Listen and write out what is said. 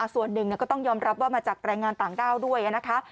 ส่วนหนึ่งก็ต้องยอมรับว่ามาจากแรงงานต่างด้าวด้วยนะคะ